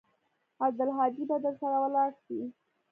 عبدالهادي به درسره ولاړ سي.